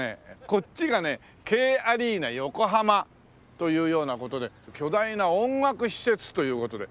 こっちがねＫアリーナ横浜というような事で巨大な音楽施設という事で。